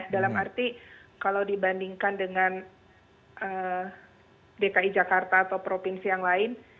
dalam arti kalau dibandingkan dengan dki jakarta atau provinsi yang lain